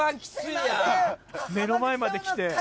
目の前まで来て。